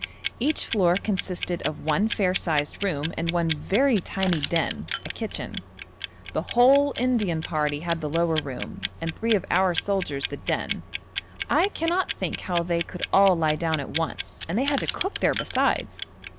Each floor consisted of one fair sized room and one very tiny den, a kitchen. The whole Indian party had the lower room, and three of our soldiers the den. I cannot think how they could all lie down at once, and they had to cook there besides.